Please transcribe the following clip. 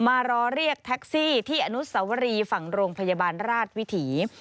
มารอเรียกแท็กซี่ที่อนุสวรีฝั่งโรงพยาบาลราชวิถี